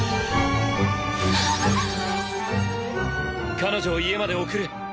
彼女を家まで送る。